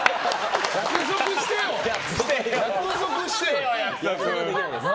約束してよ！